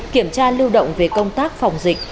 kiểm tra lưu động về công tác phòng dịch